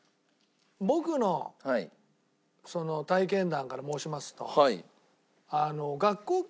僕の体験談から申しますと。